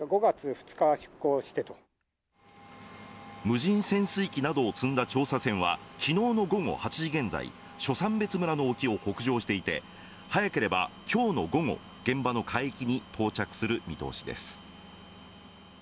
無人潜水機などを積んだ調査船は昨日の午後８時現在初山別村の沖を北上していて早ければ今日の午後、現場の海域に到着する見通しです。